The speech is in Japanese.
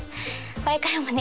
これからもね